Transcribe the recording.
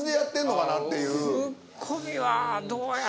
ツッコミはどうやろ。